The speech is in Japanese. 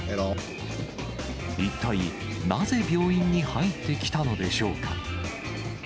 一体なぜ病院に入ってきたのでしょうか。